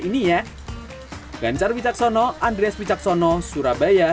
vitaminnya baik untuk menjaga daya tahan tubuh jadi jangan ragu untuk konsumsi jenis ikan yang